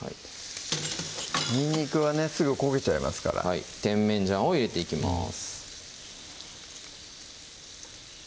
にんにくはねすぐ焦げちゃいますから甜麺醤を入れていきます